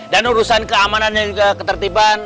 dan urusan keamanan yang ketertiban